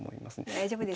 大丈夫です。